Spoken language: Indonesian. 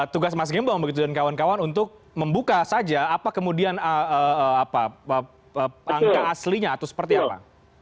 tugas mas gembong begitu dan kawan kawan untuk membuka saja apa kemudian angka aslinya atau seperti apa